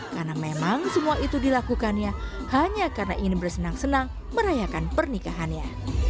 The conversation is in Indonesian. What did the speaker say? karena memang semua itu dilakukannya hanya karena ingin bersenang senang merayakan pernikahannya